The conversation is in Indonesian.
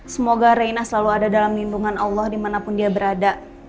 semoga raina selalu ada dalam lindungan allah dimanapun dia berada